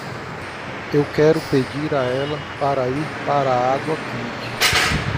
Eu quero pedir a ela para ir para a água quente.